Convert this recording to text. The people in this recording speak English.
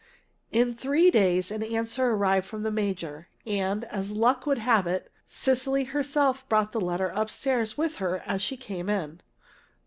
In three days an answer arrived from the major, and, as luck would have it, Cecily herself brought the letter upstairs with her as she came in.